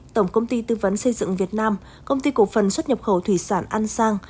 tổng công ty tư vấn xây dựng việt nam công ty cổ phần xuất nhập khẩu thủy sản an sang